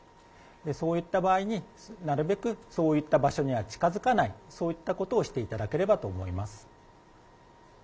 そういった場合に、なるべくそういった場所には近づかない、そういったことをしていただければと思います。